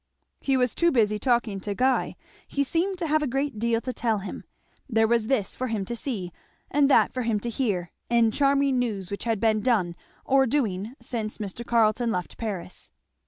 He was too busy talking to Guy. He seemed to have a great deal to tell him. There was this for him to see, and that for him to hear, and charming new things which had been done or doing since Mr. Carleton left Paris.